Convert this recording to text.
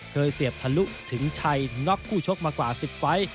เสียบทะลุถึงชัยน็อกคู่ชกมากว่า๑๐ไฟล์